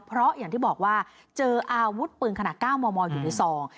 เพราะอย่างที่บอกว่าเจออาวุธปืนขนาด๙มมอยู่ในซอง